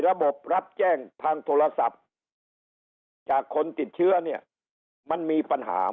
รับแจ้งทางโทรศัพท์จากคนติดเชื้อเนี่ยมันมีปัญหา